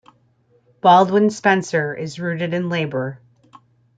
Baldwin Spencer is rooted in labour.